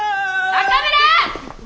中村！